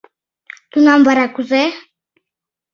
Тунам вара кузе?